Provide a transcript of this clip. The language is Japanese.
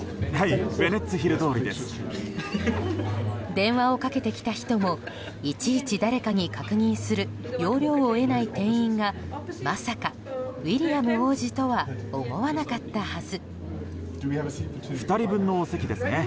電話をかけてきた人もいちいち誰かに確認する要領を得ない店員がまさかウィリアム王子とは思わなかったはず。